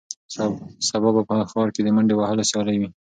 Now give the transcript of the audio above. سبا به په ښار کې د منډې وهلو سیالي وي.